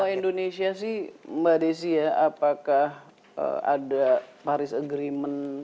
kalau indonesia sih mbak desi ya apakah ada paris agreement